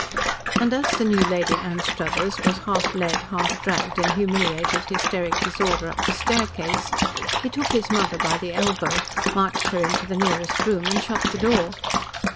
And as the new Lady Anstruthers was half led, half dragged, in humiliated hysteric disorder up the staircase, he took his mother by the elbow, marched her into the nearest room and shut the door.